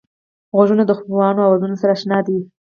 غوږونه د خپلوانو آواز سره اشنا دي